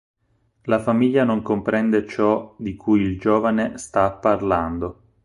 La famiglia non comprende ciò di cui il giovane sta parlando.